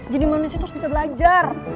jadi manusia terus bisa belajar